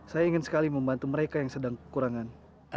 saya ingin sekali membantu mereka yang sedang kekurangan